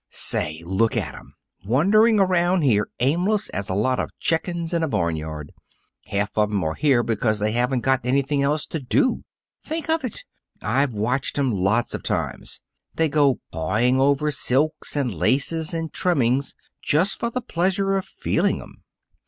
"Say; look at 'em! Wandering around here, aimless as a lot of chickens in a barnyard. Half of 'em are here because they haven't got anything else to do. Think of it! I've watched 'em lots of times. They go pawing over silks and laces and trimmings just for the pleasure of feeling 'em.